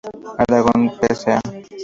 Aragón, Pza.